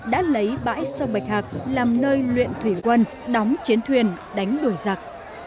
đã lấy bãi sông bạch hạc làm nơi luyện thủy quân đóng chiến thuyền đánh đuổi giặc